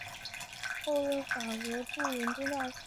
后任法国驻伦敦大使。